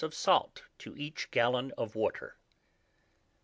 of salt to each gallon of water.